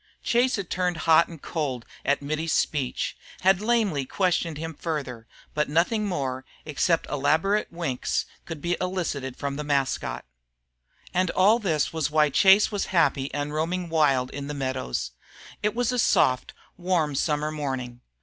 Chase had turned hot and cold at Mittie's speech, had lamely questioned him further, but nothing more, except elaborate winks, could be elicited from the mascot. And all this was why Chase was happy and roaming wild in the meadows. It was a soft, warm summer morning.